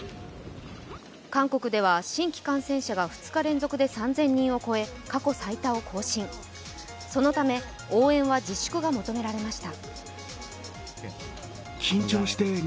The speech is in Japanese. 韓国では新規感染者が２日連続で３０００人を超えか濃さ板を更新、そのため応援は自粛が求められました。